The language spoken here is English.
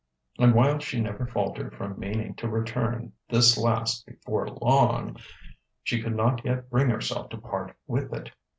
And while she never faltered from meaning to return this last "before long," she could not yet bring herself to part with it.